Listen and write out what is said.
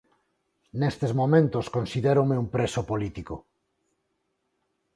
Nestes momentos considérome un preso político.